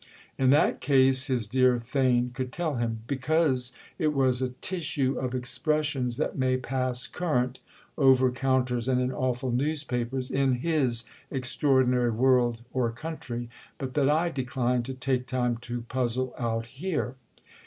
In that case his dear Theign could tell him. "Because it was a tissue of expressions that may pass current—over counters and in awful newspapers—in his extraordinary world or country, but that I decline to take time to puzzle out here."